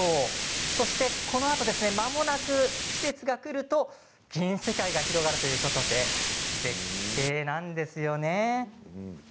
そして、このあとまもなく季節が来ると銀世界が広がるということで絶景なんですよね。